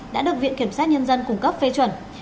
đã được viện kiểm sát nhân dân cung cấp phê chuẩn